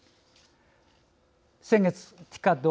先月ＴＩＣＡＤ